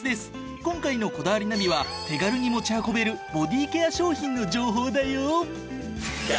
今回の『こだわりナビ』は手軽に持ち運べるボディーケア商品の情報だよ。